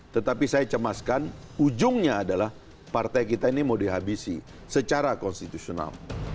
tetapi saya cemaskan ujungnya adalah partai kita ini mau dihabisi secara konstitusional